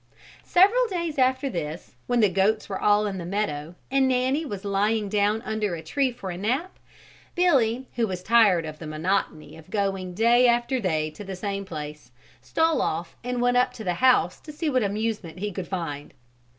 Several days after this when the goats were all in the meadow, and Nanny was lying down under a tree for a nap, Billy, who was tired of the monotony of going day after day to the same place, stole off and went up to the house to see what amusement he could find.